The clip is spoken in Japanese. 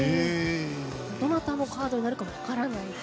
どなたのカードになるか分からないと。